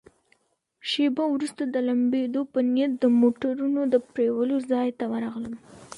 شیبه وروسته د لمبېدو په نیت د موټرونو د پرېولو ځای ته ورغلم.